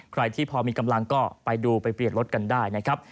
ใครที่พอมีกำลังก็ไปดูไปเปลี่ยนรถกันได้นะครับ